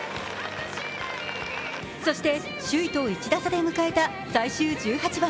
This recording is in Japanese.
そして、首位と１打差で迎えた最終１８番。